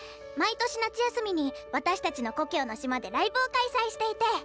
毎年夏休みに私たちの故郷の島でライブを開催していて。